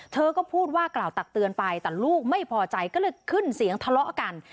เธอก็พูดว่ากล่าวตักเตือนไปแต่ลูกไม่พอใจก็เลยขึ้นเสียงทะเลาะกัน